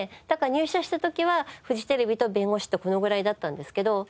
だから入社した時はフジテレビと弁護士とこのぐらいだったんですけど